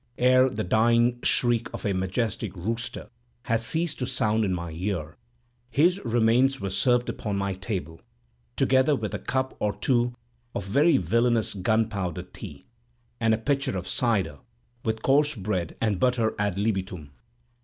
Ere the dying shriek of a majestic rooster had ceased to sound in my ear, his remains were served upon my table, together with a cup or two of very villanous gunpowder tea, and a pitcher of cider, with coarse bread and butter ad libitum.